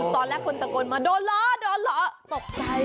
ตอนแรกคนตะโกนมาโดนล้อโดนล้อตกใจ